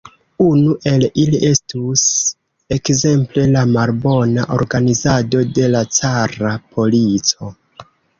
Unu el ili estus ekzemple la malbona organizado de la cara polico.